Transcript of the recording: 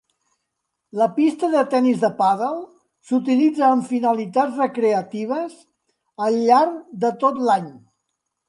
La pista de tennis de pàdel s'utilitza amb finalitats recreatives al llarg de tot l'any.